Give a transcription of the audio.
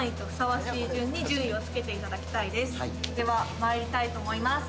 はいではまいりたいと思います